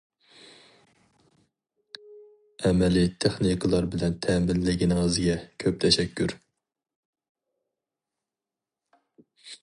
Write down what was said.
ئەمەلىي تېخنىكىلار بىلەن تەمىنلىگىنىڭىزگە كۆپ تەشەككۈر!